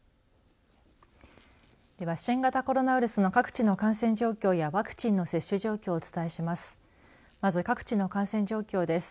では、新型コロナウイルスの各地の感染状況やワクチンの接種状況をお伝えします。